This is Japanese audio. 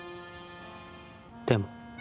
でも？